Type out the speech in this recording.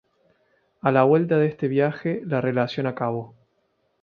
A la vuelta de este viaje la relación acabó.